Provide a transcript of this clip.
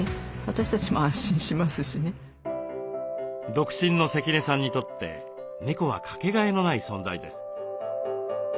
独身の関根さんにとって猫はかけがえのない存在です。